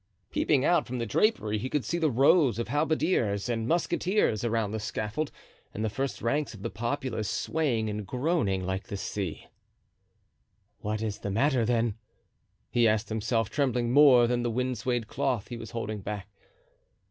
Peeping out from the drapery, he could see the rows of halberdiers and musketeers around the scaffold and the first ranks of the populace swaying and groaning like the sea. "What is the matter, then?" he asked himself, trembling more than the wind swayed cloth he was holding back.